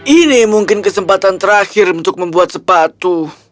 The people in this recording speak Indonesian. ini mungkin kesempatan terakhir untuk membuat sepatu